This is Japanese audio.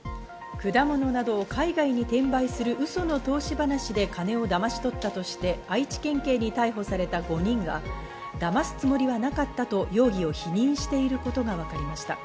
果物などを海外に転売するウソの投資話で金をだまし取ったとして愛知県警に逮捕された５人がだますつもりはなかったと容疑を否認していることがわかりました。